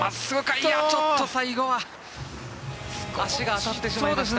ちょっと最後は足が当たってしまいました。